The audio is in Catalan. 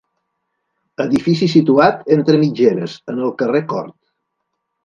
Edifici situat entre mitgeres, en el carrer Cort.